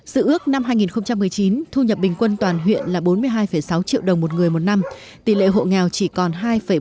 sự ước năm hai nghìn một mươi chín thu nhập bình quân toàn huyện là bốn mươi hai sáu triệu đồng một người một năm tỷ lệ hộ nghèo chỉ còn hai bảy mươi